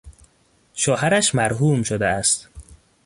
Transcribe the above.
شوهرش مرحوم شده است.